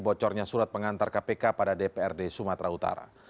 bocornya surat pengantar kpk pada dprd sumatera utara